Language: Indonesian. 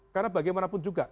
karena bagaimanapun juga